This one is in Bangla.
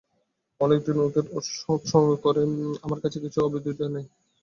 অনেক দিন ওদের সংসর্গ করেছি, আমার কাছে কিছুই অবিদিত নেই।